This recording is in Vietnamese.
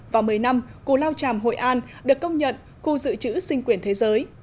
vào một mươi năm cổ lao tràm hội an được công nhận khu dự trữ sinh quyền thế giới